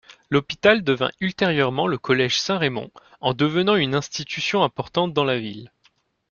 L'hôpital devint ultérieurement le Collège Saint-Raymond, en devenant une institution importante dans la ville.